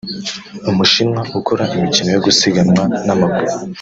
Umushinwa ukora imikino yo gusiganwa n’amaguru